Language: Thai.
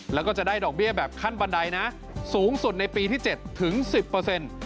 แล้วก็จะได้ดอกเบี้ยแบบขั้นบันไดนะสูงสุดในปีที่๗ถึง๑๐เปอร์เซ็นต์